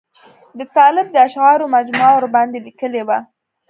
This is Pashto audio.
د طالب د اشعارو مجموعه ورباندې لیکلې وه.